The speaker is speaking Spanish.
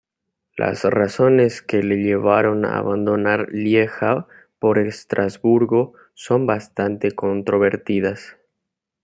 Las razones que le llevaron a abandonar Lieja por Estrasburgo son bastante controvertidas.